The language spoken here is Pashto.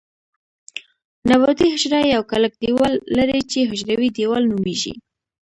نباتي حجره یو کلک دیوال لري چې حجروي دیوال نومیږي